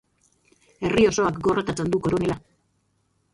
Herri osoak gorrotatzen du koronela.